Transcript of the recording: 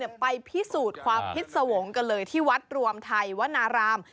ไปพิสูจน์ความพิษสวงศ์กันเลยที่วัดรวมไทยวนาราม